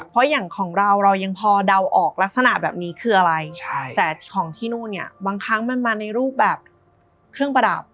เพราะอย่างของเราเรายังพอเดาออกลักษณะแบบนี้คืออะไรแต่ของที่นู่นเนี่ยบางครั้งมันมาในรูปแบบเครื่องประดับ